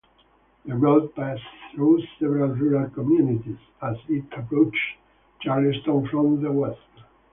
The road passes through several rural communities as it approaches Charleston from the west.